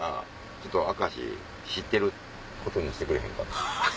ちょっと明石知ってることにしてくれへんか。